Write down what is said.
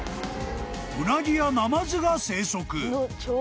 ［ウナギやナマズが生息］